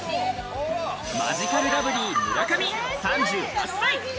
マヂカルラブリー・村上、３８歳。